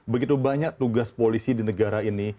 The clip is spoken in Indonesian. begitu banyak tugas polisi di negara ini